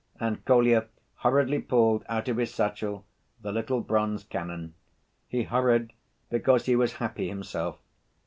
And Kolya hurriedly pulled out of his satchel the little bronze cannon. He hurried, because he was happy himself.